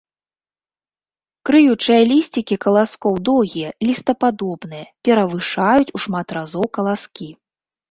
Крыючыя лісцікі каласкоў доўгія, лістападобныя, перавышаюць у шмат разоў каласкі.